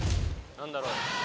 何だろう？